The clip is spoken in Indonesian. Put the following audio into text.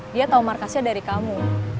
dia tahu markasnya dari kamu